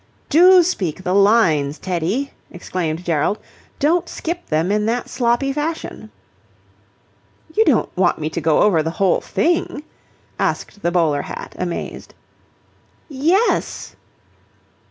"Do speak the lines, Teddy," exclaimed Gerald. "Don't skip them in that sloppy fashion." "You don't want me to go over the whole thing?" asked the bowler hat, amazed. "Yes!"